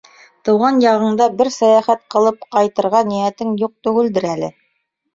Тыуған яғыңда бер сәйәхәт ҡылып ҡайтырға ниәтең юҡ түгелдер әле.